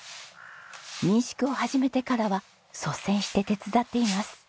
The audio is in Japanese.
民宿を始めてからは率先して手伝っています。